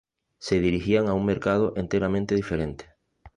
Se dirigían a un mercado enteramente diferente.